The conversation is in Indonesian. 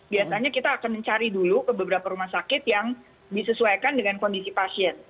biasanya kita akan mencari dulu ke beberapa rumah sakit yang disesuaikan dengan kondisi pasien